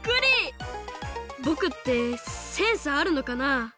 ぼくってセンスあるのかな？